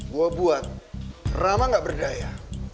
gue buat ramah gak berdaya